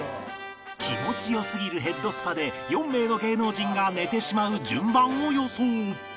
気持ち良すぎるヘッドスパで４名の芸能人が寝てしまう順番を予想